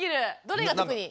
どれが特に？